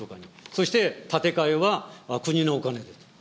そして建て替えは国のお金でと。